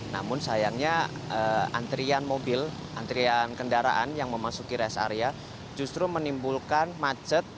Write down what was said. namun sayangnya antrian mobil antrian kendaraan yang memasuki rest area justru menimbulkan macet